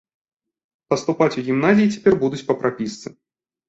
Паступаць у гімназіі цяпер будуць па прапісцы.